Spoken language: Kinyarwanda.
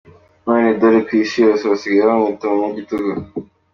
None dore ku isi yose basigaye bamwita umunyagitugu.